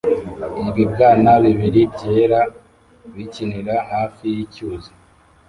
Ibibwana bibiri byera bikinira hafi yicyuzi